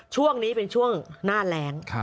ช่วงนี้เป็นช่วงหน้าแรง